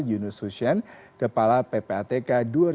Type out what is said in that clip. yunus husien kepala ppatk dua ribu dua dua ribu sebelas